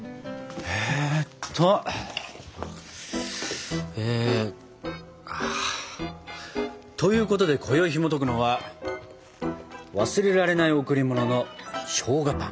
えっと。ということでこよいひもとくのは「わすれられないおくりもの」のしょうがパン。